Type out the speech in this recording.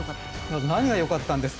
「何が良かったんですか？」